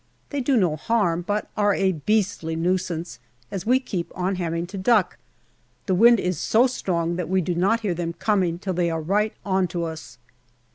They do no harm, but are a beastly nuisance, as we keep on having to duck. The wind is so strong that we do not hear them coming till they are right on to us.